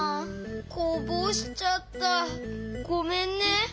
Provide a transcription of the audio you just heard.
こぼしちゃったごめんね。